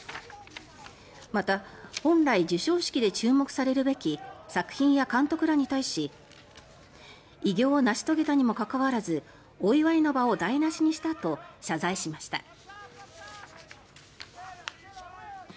また、本来授賞式で注目されるべき作品や監督らに対し偉業を成し遂げたにもかかわらずお祝いの場を台なしにしたと謝罪しました。